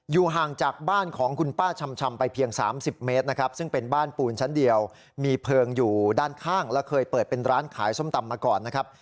ห่างจากบ้านของคุณป้าชำไปเพียง๓๐เมตรนะครับซึ่งเป็นบ้านปูนชั้นเดียวมีเพลิงอยู่ด้านข้างและเคยเปิดเป็นร้านขายส้มตำมาก่อนนะครับ